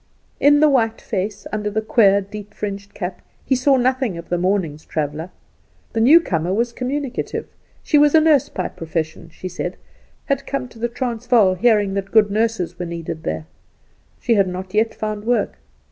In the white face under the queer, deep fringed cap she saw nothing of the morning's traveller. The newcomer was communicative. She was a nurse by profession, she said; had come to the Transvaal, hearing that good nurses were needed there. She had not yet found work.